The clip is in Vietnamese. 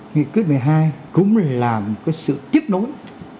nghị quyết một mươi hai cũng là một sự tiếp nối